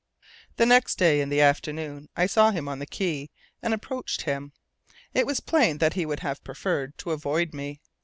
The next day, in the afternoon, I saw him on the quay, and approached him. It was plain that he would have preferred to avoid me.